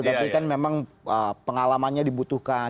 tapi kan memang pengalamannya dibutuhkan